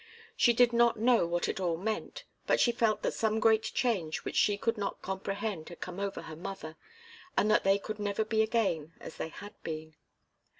She did not know what it all meant, but she felt that some great change which she could not comprehend had come over her mother, and that they could never be again as they had been.